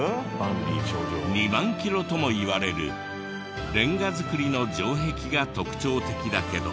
２万キロともいわれるれんが造りの城壁が特徴的だけど。